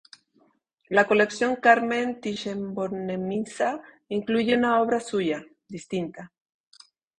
La Colección Carmen Thyssen-Bornemisza incluye una obra suya, distinta.